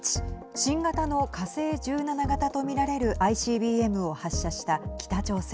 新型の火星１７型と見られるＩＣＢＭを発射した北朝鮮。